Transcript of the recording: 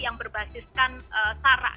yang berbasiskan sarah